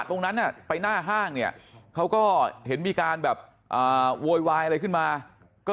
ตรงนั้นไปหน้าห้างเนี่ยเขาก็เห็นมีการแบบโวยวายอะไรขึ้นมาก็